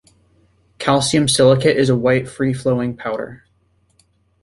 Calcium silicate is a white free-flowing powder.